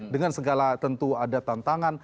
dengan segala tentu ada tantangan